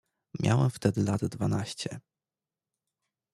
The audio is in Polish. "Miałem wtedy lat dwanaście."